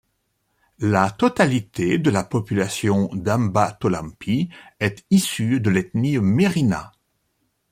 La totalité de la population d’Ambatolampy est issue de l’ethnie Merina.